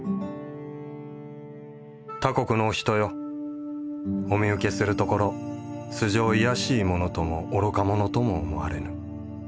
「他国のお人よお見受けするところ素姓卑しい者とも愚か者とも思われぬ。